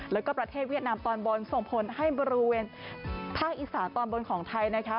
แล้วก็ประเทศเวียดนามตอนบนส่งผลให้บริเวณภาคอีสานตอนบนของไทยนะคะ